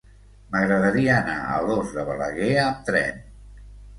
M'agradaria anar a Alòs de Balaguer amb tren.